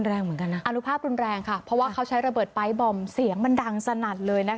อันนุภาพรุนแรงค่ะเพราะว่าเขาใช้ระเบิดไบซ์บอมเสียงมันดังสนัดเลยนะคะ